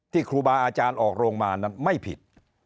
ครูบาอาจารย์ออกโรงมานั้นไม่ผิด